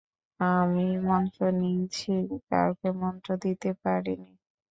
আমি মন্ত্র নিয়েছি, কাউকে মন্ত্র দিতে পারি নি।